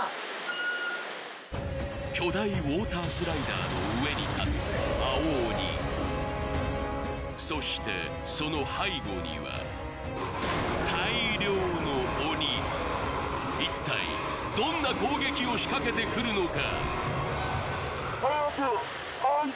巨大ウオータースライダーの上に立つそしてその背後には一体どんな攻撃を仕掛けてくるのか？